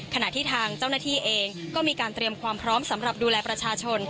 ขณะที่ทางเจ้าหน้าที่เองก็มีการเตรียมความพร้อมสำหรับดูแลประชาชน